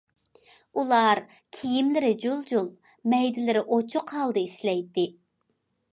ئۇلار كىيىملىرى جۇل- جۇل، مەيدىلىرى ئوچۇق ھالدا ئىشلەيتتى.